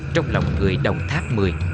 trong lòng người đồng tháp một mươi